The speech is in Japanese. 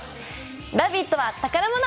「ラヴィット！」は宝物！